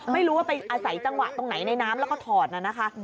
ไม่รู้ว่าไปอาศัยจังหวะตรงไหนในน้ำแล้วก็ถอดน่ะนะคะ